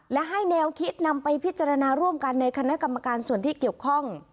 และให้แนวคิดนำไปพิจารณาร่วมกันในคณะกรรมการส่วนที่เกี่ยวข้อง